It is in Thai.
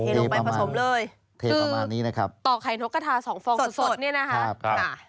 ต่อไข่โน๊กกระทา๒ฟองสด